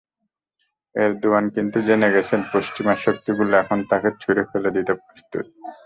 Erdogan কিন্তু জেনে গেছেন, পশ্চিমা শক্তিগুলো এখন তাঁকে ছুড়ে ফেলে দিতে প্রস্তুত।